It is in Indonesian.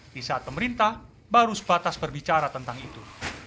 di saat pemerintah baru sebatas berbicara tentang itu